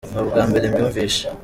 nubwambere mbyumvise.